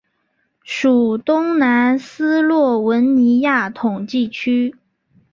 属东南斯洛文尼亚统计区。